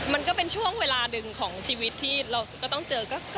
มันก็เป็นช่วงเวลาหนึ่งของชีวิตที่เราก็ต้องเจอ